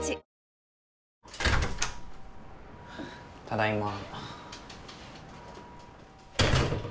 ただいま。